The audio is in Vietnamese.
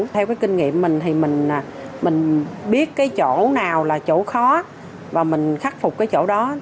theo cái kinh nghiệm mình thì mình biết cái chỗ nào là chỗ khó và mình khắc phục cái chỗ đó